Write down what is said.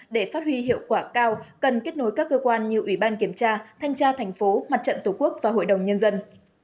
để phát huy hiệu quả cao cần kết nối các cơ quan như ủy ban kiểm tra thanh tra thành phố mặt trận tổ quốc và hội đồng nhân dân